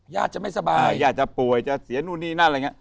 ญาติจะไม่สบายญาติจะป่วยจะเสียนู่นนี่นั่นอะไรอย่างนี้